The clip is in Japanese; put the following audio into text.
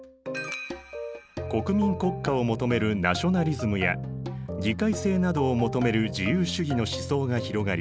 国民国家を求めるナショナリズムや議会制などを求める自由主義の思想が広がり